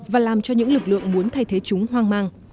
và làm cho những lực lượng muốn thay thế chúng hoang mang